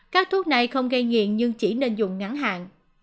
các thuốc này không gây nghiện nhưng chỉ nên dùng ngắn hạn